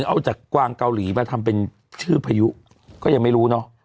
เอาจากกวางเกาหลีมาทำเป็นชื่อพายุก็ยังไม่รู้เนอะ